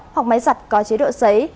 hoặc máy giặt có chế độ sấy